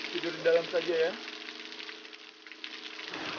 tidur di dalam saja ya